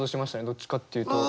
どっちかっていうと。